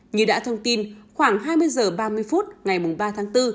như đã thông tin khoảng hai mươi h ba mươi phút ngày ba tháng bốn